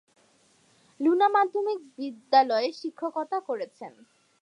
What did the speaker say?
Luna মাধ্যমিক বিদ্যালয়ে শিক্ষকতা করছেন।